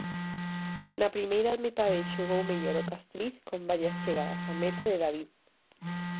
Na primeira metade xogou mellor o Castriz, con varias chegadas á meta de David.